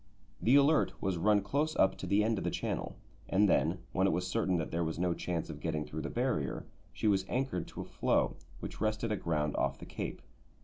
The Alert was run close up to the end of the channel, and then, when it was certain that there was no chance of getting through the barrier, she was anchored to a floe which rested aground off the cape.